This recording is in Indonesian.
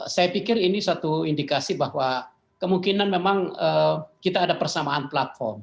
saya pikir ini suatu indikasi bahwa kemungkinan memang kita ada persamaan platform